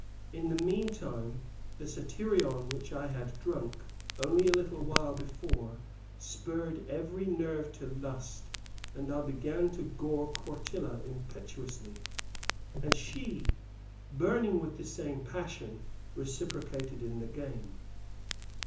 In the meantime, the satyrion which I had drunk only a little while before spurred every nerve to lust and I began to gore Quartilla impetuously, and she, burning with the same passion, reciprocated in the game.